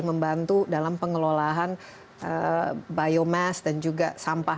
membantu dalam pengelolaan biomes dan juga sampah